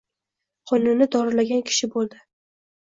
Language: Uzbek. Xonani dorilagan kishi boʻldi.